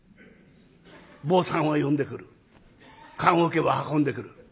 坊さんを呼んでくる棺おけを運んでくる。